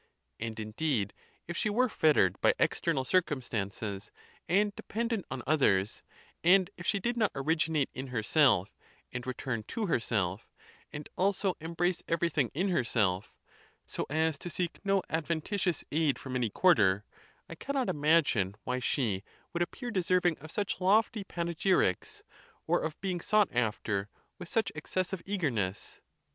And, indeed, if she were fettered by external circumstances, and dependent on others, and if she did not originate in herself and return to herself, and also embrace everything in herself, so as to seek no adventitious aid from any quarter, I cannot imag ine why she should appear deserving of such.lofty pane gyrics, or of being sought after with such excessive eager ness.